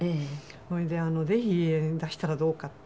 「それでぜひ出したらどうかって」